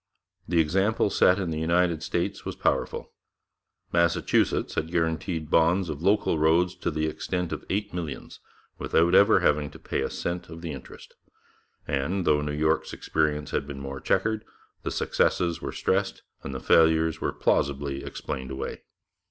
The example set in the United States was powerful. Massachusetts had guaranteed bonds of local roads to the extent of eight millions, without ever having to pay a cent of the interest; and though New York's experience had been more chequered, the successes were stressed and the failures were plausibly explained away.